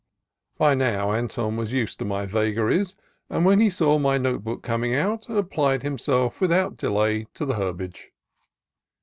By now Anton was used to my vagaries, and when he saw my note book come out> applied himself without delay to the herbage.